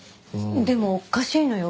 でもおかしいのよ。